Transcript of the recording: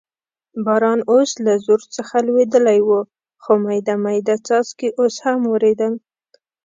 باران اوس له زور څخه لوېدلی و، خو مېده مېده څاڅکي اوس هم ورېدل.